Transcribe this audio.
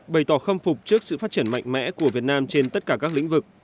bày tỏ khâm phục trước sự phát triển mạnh mẽ của việt nam trên tất cả các lĩnh vực